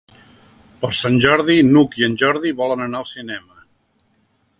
Per Sant Jordi n'Hug i en Jordi volen anar al cinema.